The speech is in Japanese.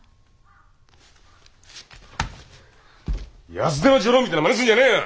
安手の女郎みたいな真似するんじゃねえよ！